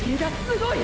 すごい！！